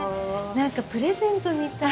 何かプレゼントみたい。